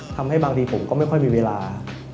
ทำให้บางทีผมก็ไม่ค่อยมีเวลา